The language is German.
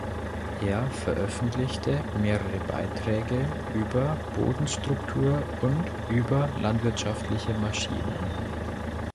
Er veröffentlichte mehrere Beiträge über Bodenstruktur und über landwirtschaftliche Maschinen.